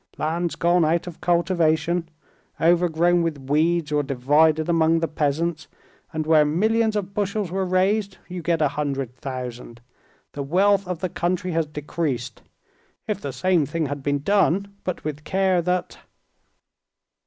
Lands gone out of cultivation, overgrown with weeds, or divided among the peasants, and where millions of bushels were raised you get a hundred thousand; the wealth of the country has decreased. If the same thing had been done, but with care that...."